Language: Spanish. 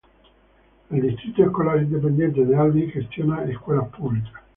El Distrito Escolar Independiente de Alvin gestiona escuelas públicas.